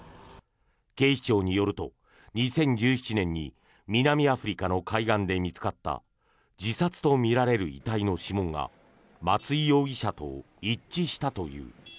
警視庁によると、２０１７年に南アフリカの海岸で見つかった自殺とみられる遺体の指紋が松井容疑者と一致したという。